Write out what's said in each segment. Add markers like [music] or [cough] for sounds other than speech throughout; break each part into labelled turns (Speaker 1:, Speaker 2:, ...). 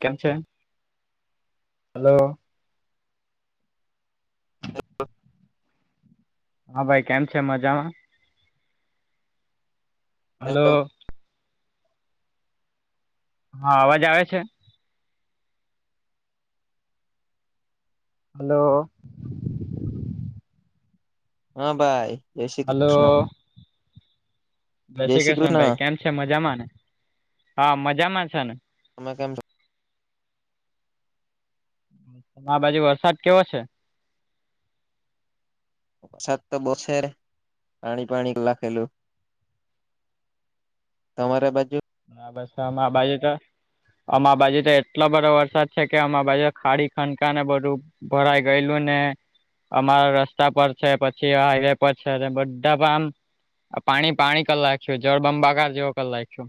Speaker 1: કેમ છે? હેલો. હા ભાઈ કેમ છે, મજામાં?
Speaker 2: હેલો
Speaker 1: હલો હા, અવાજ આવે છે? હલો
Speaker 2: હા ભાઈ. જય શ્રી કૃષ્ણ
Speaker 1: હાલો જય શ્રી કૃષ્ણ ભાઈ, કેમ છે, મજામાંને? હા મજામાં છે ને?
Speaker 2: તમે કેમ છો?
Speaker 1: તમા બાજુ વરસાદ કેવો છે?
Speaker 2: સાત તો બો છેરે, પાણી પાણી કલાખેલું. તમારે બાજુ?
Speaker 1: આ બસ તેમા બાજે તો આમા બાજુ તો એટલો બધો વરસાદ છે, કે અમા બાજુ ખાડી ખનકા ને બધું ભરાઈ ગયેલું ને અમારા રસ્તા પર છે, પછી હાઈવે પર છે, ને બધા પણ આમ આ પાણી પાણી કલ લાખ્યો, જળબંબાકાર જેવો કલ લાખ્યો.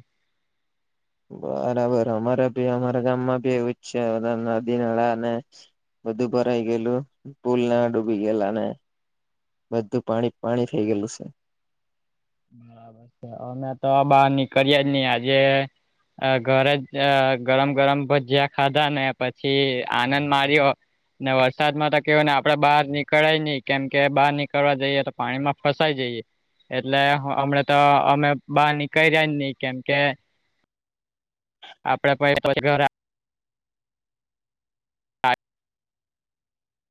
Speaker 2: બરાબર અમારા ભી અમારા ગામમાં ભી એવુંજ છે, બધી નદી, નાળા ને બધું ભઈ ગયલું, પુલ ના ડૂબી ગયેલા ને. બધું પાણી પાણી થઈ ગયેલું સે.
Speaker 1: બરાબર છે, અમે તો બાર નિકળ્યાજ નહી આજે અ ઘરે જ ગરમ ગરમ ભજીયા ખાધા, ને પછી આનંદ માર્યો. ને વરસાદ માતો કેહેવાય ને, આપડે બહાર નીકળાય નહી, કેમ કે બહાર નીકળવા જઈએ તો પાણીમાં ફસાઈ જઈએ. લે હ હમે તો હમે બાર નિકળ્યાજ ની કેમ કે આપડે પ પછી ઘરે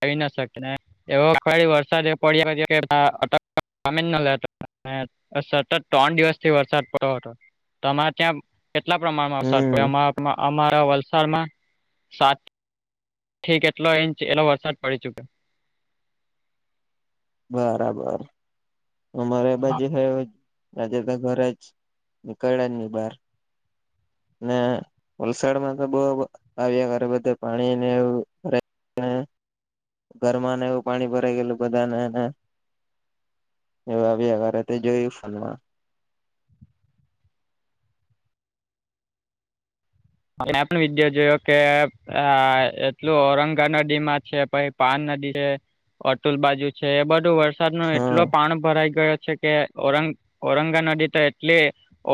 Speaker 1: આવી ના શકીએ, ને એવો કઈ વરસાદ એ પડ્યો છે કે તા અટકતો [unintelligible] સામીન નો લેતો, અ સતત ત્રણ દિવસથી વરસાદ પડતો હતો. તમારે ત્યાં કેટલા પ્રમાણમાં વસાદ
Speaker 2: હમ
Speaker 1: પડ્યો? અમા અમારા વલસાડમાં સાત ઠી કેટલો ઇંચ એટલો વરસાદ પડી ચુક્યો.
Speaker 2: બરાબર, અમારે
Speaker 1: હા.
Speaker 2: બાજુ હે એવુંજ. રાજેકા ઘરેજ નિકળ્યાજ ની બહાર. ને વલસાડમાં તો બહુ બ આવ્યા કરે, બધે પાણીને એવું ભરાઈ ને ઘરમાં ને એવું પાણી ભરાઈ ગયેલું બધા નેને. એવુ આવ્યા કરે તે જોયું ફોનમાં.
Speaker 1: એ પણ વિડ્યો જોયો કે, આ એટલું ઔરંગા નદી માં છે પે પાર નદી છે, અતુલ બાજુ છે, એ બધું વરસાદ મા એટલો
Speaker 2: હા
Speaker 1: પાણ ભરાઈ ગયો છે કે ઔરંગ ઔરંગા નદી તો એટલી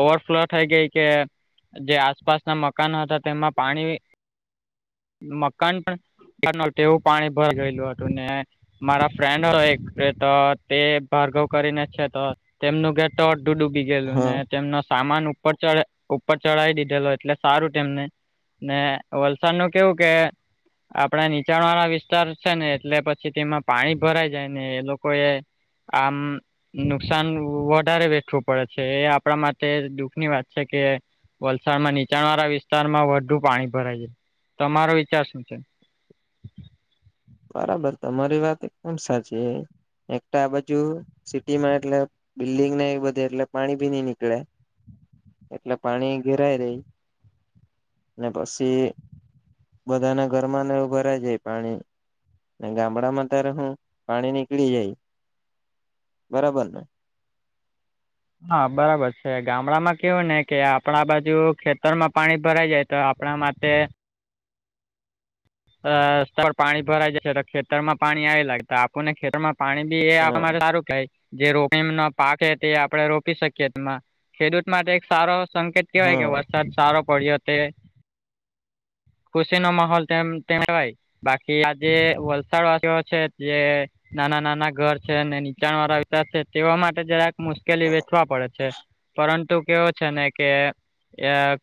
Speaker 1: ઓવરફ્લો થઈ ગઈ કે. જે આસપાસના મકાનો હતા તેમાં પાણી, મકાન પણ [unintelligible] તેવું પાણી ભર ગયેલુ હતુ ને મારા ફ્રેન્ડ હો એક તો, તે ભાર્ગવ કરીને છે તો, તેમનું ઘર તો અડધું ડૂબી ગયેલું,
Speaker 2: હા
Speaker 1: ને તેમનો સામાન ઉપર ચઢે ઉપર ચઢાવી દીધેલો એટલે સારું તેમને, ને વરસાદ નું કેવું કે આપણા નીચાણ વાળા વિસ્તાર છેને, એટલે પછી તેમાં પાણી ભરાય જાય, ને એ લોકો એ આમ નુકસાન વધારે વેઠવું પડે છે, એ આપણા માટે દુઃખની વાત છે કે વરસાદ માં નીચાણ વાળા વિસ્તારમાં વધુ પાણી ભરાય છે, તમારો વિચાર શું છે?
Speaker 2: બરાબર તમારી વાત એકદમ સાચી એક તો આ બાજુ સિટી માં એટલે બિલ્ડીિંગ ના એ બધે એટલે પાણી ભી નઈ નીકળે એટલે પાણી ભરાઈ રહે ને પછી બધાને ઘરમાં ને એવું ભરાય જાય પાણી ગામડા માં ત્યારે હું પાણી નીકળી જઈ બરાબર ને
Speaker 1: હા બરાબર છે ગામડામાં કેવું ને કે આપણા બાજુ ખેતર માં પાણી ભરાઈ જાય તો આપણા માટે અસ્ત પર પાણી ભરાઈ જાય છે, તો ખેતર મા પાણી આવે લાગે આપણને ખેતરમાં પાણી બી એ આપણા
Speaker 2: હા
Speaker 1: માટે સારું કેહવાય જે રોપણીનો પાક છે, તે આપણે રોપી શકીએ તેમાં ખેડૂત માટે એક સારો સંકેત કેવાય
Speaker 2: હા
Speaker 1: કે વરસાદ સારો પડ્યો તે ખુશીનો માહોલ તેમ [unintelligible] નાના નાના ઘર છે અને નીચાણ વાળા વિતાર છે, તેવા માટે જરાક મુશ્કેલી વેઠવા પડે છે, પરંતુ છે ને કે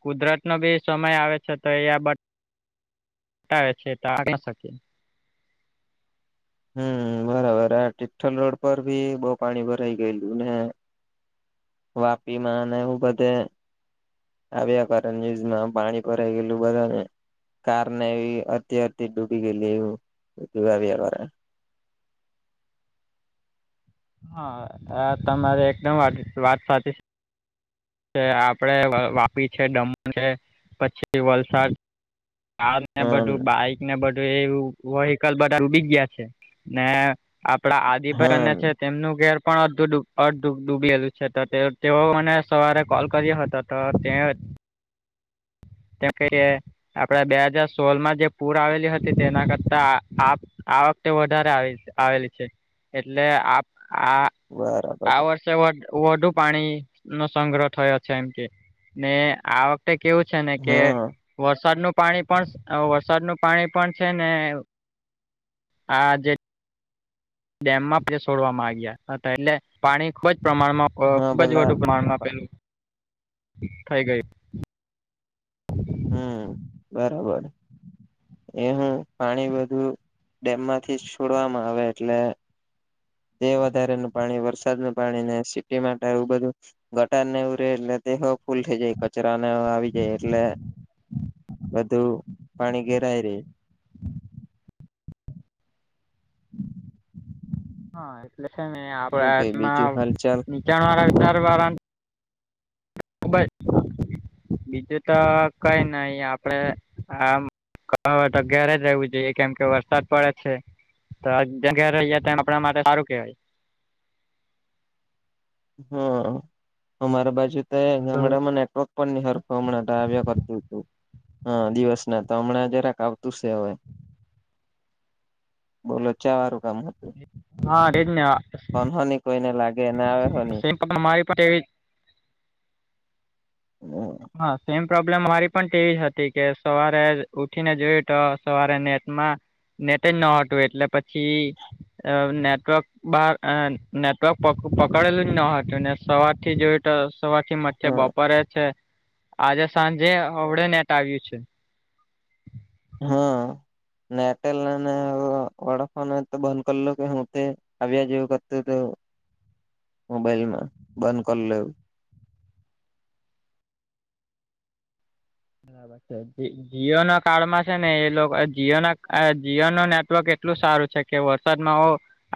Speaker 1: કુદરત નો બી સમય આવે છે, તો એ આવે છે.
Speaker 2: હમ બરાબર આ ટિ્ઠલ રોડ પર ભી બહુ પાણી ભરાઈ ગયેલુ ને વાપી માં એ બધે આવ્યા કાર ન્યુઝમાં પાણી ભરાઈ ગયેલુ બધાને કારને એવી ત્યાંથી જ ડૂબી ગયેલી એવુ
Speaker 1: હા તમારી એકદમ વાત સાચી છે. આપડે વાપી છે, દમણ છે પછી વલસાડ કાર ને
Speaker 2: હમ
Speaker 1: બધું બાઈક ને બધું એ વ્હીકલ બધા ડૂબી ગયા છેને. આપડા આદિભાઈ અને છે.
Speaker 2: હમ
Speaker 1: તેમનું ઘેર પણ અડધું ડૂબેલું છે તો તેઓ એ મને સવારે કોલ કર્યો હતો. તો તે કહી આપડે બે હાજાર સોળમાં જે પૂર આવેલી હતી તેના કરતા આ આ વખતે વધારે આવેલી છે, એટલે
Speaker 2: બરાબર
Speaker 1: આ વર્ષ વધુ પાણી નો સંગ્રહ થયો છે, એમાંથી. ને આ વખતે કેવું છેને, કે
Speaker 2: હા
Speaker 1: વરસાદનું પાણી પણ વરસાદનું પાણી પણ છેને. આજે ડેમ પણ છોડવા લાગ્યા એટલે પાણી ખૂબ જ પ્રમાણમાં અ
Speaker 2: હા
Speaker 1: ખુબ જ
Speaker 2: પેલા
Speaker 1: વધુ પ્રમાણમાં પેલું થઈ ગયુ
Speaker 2: હમ બરાબર એ હું પાણી બધું ડેમમાંથી છોડવામાં આવે એટલે એ વધારે નું પાણી વરસાદનું પાણી ને સિટી માટે આવું બધુ ગટાર ને ઉરે એટલે દેહો ફૂલ થઈ જાય કચરાને આવી જાય એટલે બધું પાણી ઘેરાય રે
Speaker 1: [inaudible] હા એટલે છેને
Speaker 2: શું કઈ
Speaker 1: આપણામા
Speaker 2: બીજું હાલચાલ
Speaker 1: અચ વાા દરવાા ખબ બીજું તો કઈ નહી આપડે આમ કહાવત અગિય્યારે જ રહેવું જોઈએ કેમ કે વરસાદ પડે છે. તો ઘ રહી તેમ આપણા માટે સારું કેવાય
Speaker 2: હા અમારા બાજુ તો
Speaker 1: હલો
Speaker 2: ગામડામાં નેટવર્ક હરખમણા દાવ્ય કરત હતુ. હા દિવસ ના તો હમણાં જરાક આવતું છે, હવે બોલો છે વારું કામ
Speaker 1: હા રેજઞ
Speaker 2: હનસન કોઈને લાગેને શન
Speaker 1: બીમારી પવી
Speaker 2: હમ
Speaker 1: હા સેમ પ્રોબ્લેમ અરી પણ તેવી હતી કે સવારે ઉઠીને જોયું તો સવારે નેટમાં નેટજ ન હતું એટલે પછી નેટવર્ક બાર નેટવર્ક પકડેલું જ ન હતું ને સવાર થી જોય સવારથી મચ્ે
Speaker 2: હા
Speaker 1: બપોરે છે આજે સાંજે અવડે નેટ આવ્યું છે
Speaker 2: હા અને એરટેલ વડાફોન તો બંધ કરીલો કે હું તે આવ્યા જેવું કરતું તો મોબાઈલમાં બંધ કરી લેવું
Speaker 1: બરાબર છે જીઓ ના કાળમાં છે ને એ લોકો જીઓ ના જીઓ ન નેટવર્ક એટલું સારું છે કે વરસાદ માં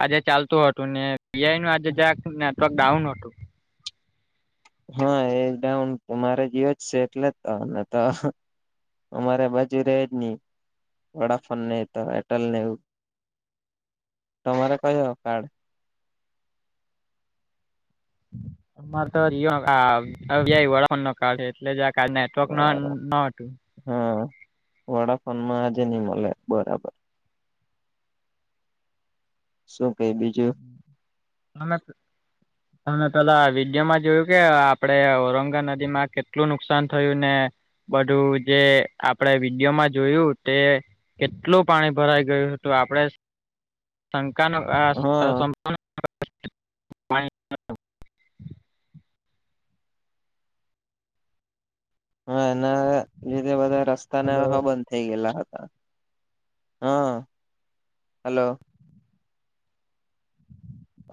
Speaker 1: આજે ચાલતું હતું ને પીઆઈ નું આજે જ નેટવર્ક ડાઉન હતું
Speaker 2: હા એ ડાઉન તો મારે જયો જ છે એટલે જ તો તો અમારે બાજુ ર જ નહી વડાફોન ને તો એરટેલ ને એવું તમામરે કહીહ કાડ
Speaker 1: આ તો ન કળ છે એટલે ક નેટવર્ક ન
Speaker 2: બરા
Speaker 1: ન હતું
Speaker 2: હા વડાફન માં આજે નહી મળે બરાબર શું કઈ બીજું
Speaker 1: નામે તો મે પેલા વિડીયોમાં જોયું કે આપડે ઔરંગા નદી માં કેટલું નુકસાન થયું ને બધું જે આપડે વિડીયોમાં જોયું તે કેટલું પાણી ભરાઈ ગયું હતું આપણેે શંકા
Speaker 2: હા
Speaker 1: ન
Speaker 2: હા એના લીધે બધા રસ્તાને
Speaker 1: હલો
Speaker 2: હ બન થઈ ગલાા હા હલો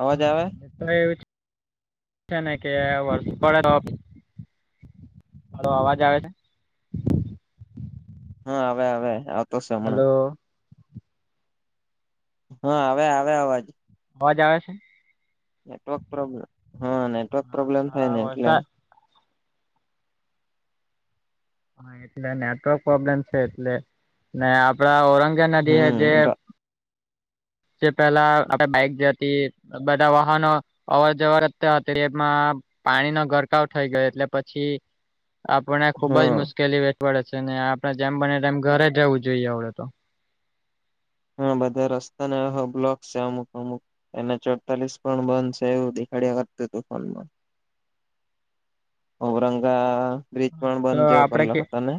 Speaker 2: અવાજ
Speaker 1: હા
Speaker 2: આવે
Speaker 1: તો એવું છે ને કે વર્ષ પડે તો હો અવાજ આવે છે
Speaker 2: હા આવે આવે આવતો હમણાં
Speaker 1: હલો
Speaker 2: હા આવે આવે અવાજ
Speaker 1: અવા જવા છે
Speaker 2: નેટવર્ક પ્રોબ્લેમ હા નેટવર્ક પ્રોબ્લેમ થાય
Speaker 1: હા
Speaker 2: ને એટલે
Speaker 1: વરસાદ હા એટલે નેટવર્ક પ્રોબ્લેમ છે એટલે ને આપડા ઔરંગે નદી એ જે
Speaker 2: હમ
Speaker 1: જે પેલા આપે બાઈક જતી બધા વાહનો અવર જવર જત્યારે એમાં પાણી નો ગરકાવ થઈ ગયો એટલે પછી આપણને ખુબ જ
Speaker 2: હા
Speaker 1: મુશ્કેલી વેઠ વડે છે ને આપડણે જેમ બનેમ ઘરે રહેવું જોઈએ આપડે તો
Speaker 2: હા બધા રસ્તાને બ્લોક છે અમુક અમુક એના ચોડતાલીસ પણ બંધ છે એવું દેખાડ્યા કરતું હતું ફોન ઔરંગા બ્રિજ
Speaker 1: હા એ
Speaker 2: પણ
Speaker 1: તો
Speaker 2: બંધ છેયો
Speaker 1: આપડે
Speaker 2: કલો
Speaker 1: કે
Speaker 2: હતા ને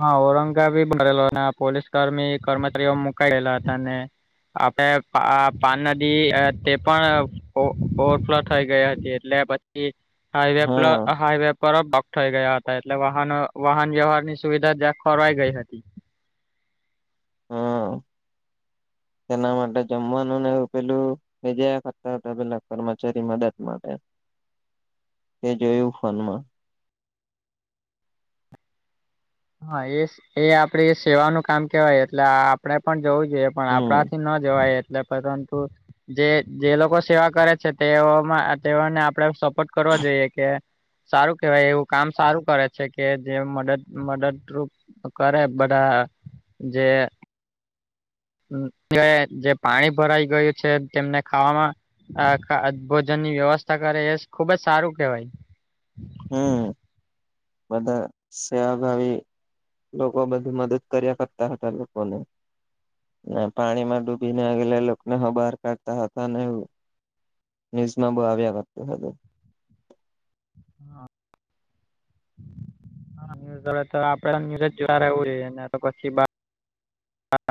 Speaker 1: હા ઔરંગાબી બરેલો પોલીસ કર્મી કર્મચારીઓ મુકાયેલા હતા ને આપણે પાન નદી તે પણ ઓવરફ્લો થઈ ગઈ હતી એટલે હાઈવે
Speaker 2: હા
Speaker 1: હાઈવે પર બગ થઈ ગયા હતા એટલે વાહનો વાહન વ્યવહાર સુવિધા જ્યાં ખોરવાઈ ગઈ હતી. [unintelligible]
Speaker 2: એના માટે જમવાનું ને એવું પેલું. મે જ કરતા હતા પેલા કર્મચારી મદદ માટે તે જોયું ફોનમાં.
Speaker 1: હા એ એ આપડે સેવાનું કામ કેવાય એટલે આપડણે પણ જવું જોઈએ પણ આપણા
Speaker 2: હમ
Speaker 1: થી ન જવાય. એલે પરંતુ જે જે લોકો સેવા કરે છે તેઓમાં તેઓને આપડે સટ કરવા જોઈએ કે સારું કેહેવાય એવું કામ સારું કરે છે કે જે મદદ મર્ડર ટ્રુપ કરે બડા જે એ જે પાણી ભરાઈ ગયું છે તેમને ખાવામાં આ ભોજનની વ્યવસ્થા કરે એ ખુબજ સારું કેહેવાય.
Speaker 2: હમ
Speaker 1: [unintelligible]
Speaker 2: બધા સેવાભાવી લોકો બધી મદદ કર્યા કરતા હતા લોકોને. ના પાણી માં ડૂબી નેગલે લોકોકને હ બહાર કાઢતા હતા ને એું ન્યુઝ માં બહુ આવ્યા વાત હ
Speaker 1: હા. હા ન્યઝડે તો આપડે ન્યૂઝ જોતા રહેવું જોઈએ પછી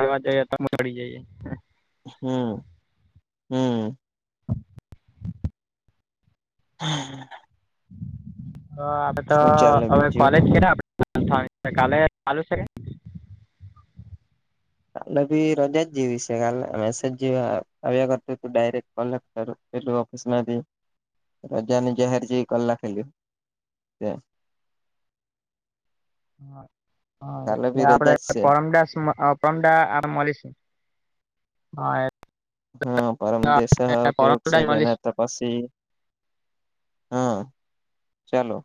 Speaker 1: વા જઈએ તડી જઈએ.
Speaker 2: હમ હમ.
Speaker 1: [unintelligible]
Speaker 2: હમ હમ.
Speaker 1: તો આપડે તો
Speaker 2: શું ચાલે
Speaker 1: હવે
Speaker 2: બીજું
Speaker 1: કોલેજ કે આપ કાલે ચાલુ છે કે
Speaker 2: કલે ભી રોજા જીવી છે કલે મેસેજવા આવ્યા કરતું તું ડાયરેક્ટ કોલેક્ટ કર. એલું ઓફિસ ના હતી રજાનીજે હારી જ કલ્લા ખેલ ત
Speaker 1: હા હા
Speaker 2: કાલે
Speaker 1: એટલે
Speaker 2: ભી
Speaker 1: આપડે
Speaker 2: રજા જ છે
Speaker 1: પરમદાસ મડાલીસ હા
Speaker 2: હા પરમ જેેશ
Speaker 1: એટલે
Speaker 2: કેવું છે
Speaker 1: પરમદા મળીશું
Speaker 2: તેના ત પછી હા ચાલો.